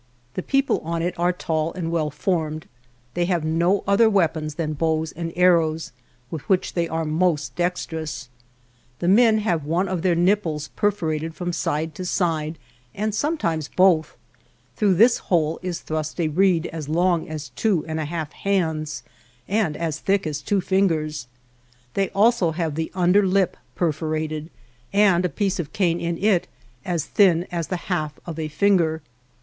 2 * The people on it are tall and well formed; they have no other weapons than bows and arrows with which they are most dextrous. The men have one of their nipples perforated from side to side and sometimes both ; through this hole is thrust a reed as long as two and a half hands and as thick as two fingers ; they also have the under lip perforated and a piece of cane in it as thin as the half of a finger.